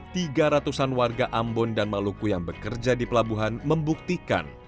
tiga ratusan warga ambon dan maluku yang bekerja di pelabuhan membuktikan